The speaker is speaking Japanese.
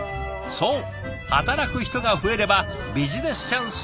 そう働く人が増えればビジネスチャンスも増える。